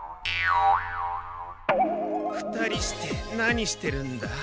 ２人して何してるんだ。